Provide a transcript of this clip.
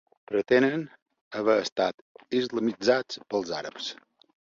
Pretenen haver estat islamitzats pels àrabs.